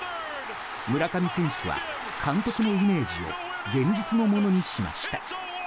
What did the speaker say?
村上選手は監督のイメージを現実のものにしました。